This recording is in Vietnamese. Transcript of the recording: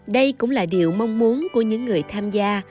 đây cũng là điều mong muốn của những người tham gia